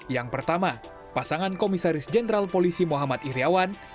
yang pertama pasangan komisaris jenderal polisi muhammad iryawan